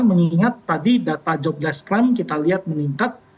mengingat tadi data jobless claim kita lihat meningkat